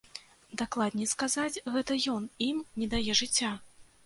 Дакладней сказаць, гэта ён ім не дае жыцця.